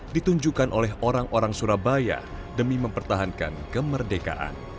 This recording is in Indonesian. ditunjukkan oleh orang orang surabaya demi mempertahankan kemerdekaan